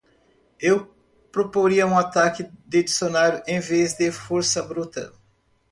Eu proporia um ataque de dicionário em vez de força bruta.